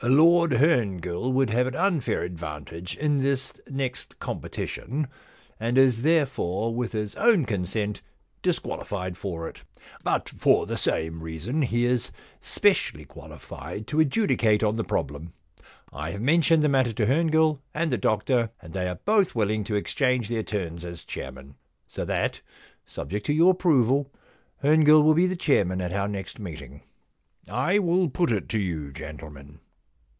Lord Herngill would have an unfair advantage in this next com petition, and is therefore with his own consent disqualified for it. But for the same reason he is specially qualified to adjudicate on the problem. I have mentioned the matter to Herngill and the Doctor, and they are both 216 The Q Loan Problem willing to exchange their turns as chairman. So that, subject to your approval, Herngill will be the chairman at our next meeting. I will put it to you, gentlemen.